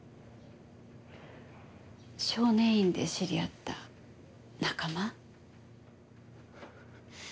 少年院で知り合った仲間？